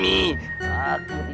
pergaduh msi no